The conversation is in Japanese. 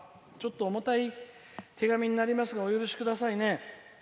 重たい手紙になりますがお許しくださいね。